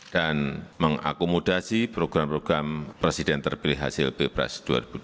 dan mengakomodasi program program presiden terpilih hasil bpres